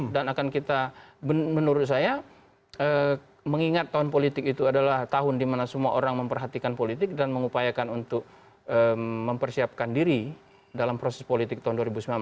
dan akan kita menurut saya mengingat tahun politik itu adalah tahun di mana semua orang memperhatikan politik dan mengupayakan untuk mempersiapkan diri dalam proses politik tahun dua ribu sembilan belas